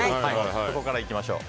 ここからいきましょう。